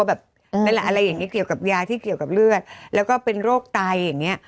นั่นแหละอะไรอย่างนี้เกี่ยวกับยาที่เกี่ยวกับเลือดแล้วก็เป็นโรคไตอย่างนี้